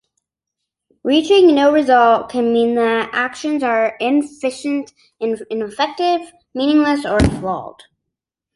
Reaching no result can mean that actions are inefficient, ineffective, meaningless or flawed.